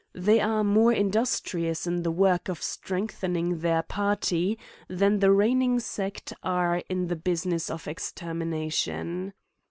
They are more industrious in the work of strength ening their .party, than the reigning sect are in the business of extermination.